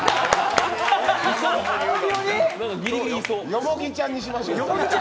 よもぎちゃんにしましょう。